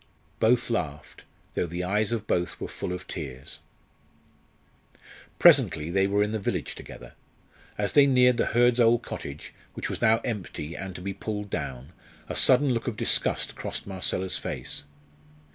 Both laughed, though the eyes of both were full of tears. Presently they were in the village together. As they neared the Hurds' old cottage, which was now empty and to be pulled down, a sudden look of disgust crossed Marcella's face.